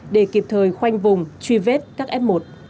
để kịp thời khoanh vùng truy vết các f một